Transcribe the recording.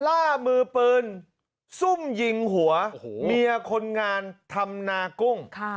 ล่ามือปืนซุ่มยิงหัวเมียคนงานทำนากุ้ง